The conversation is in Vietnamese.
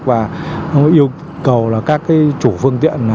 và yêu cầu các chủ phương tiện